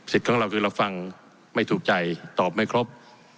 ของเราคือเราฟังไม่ถูกใจตอบไม่ครบ